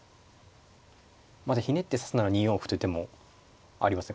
ひねって指すなら２四歩という手もありますね。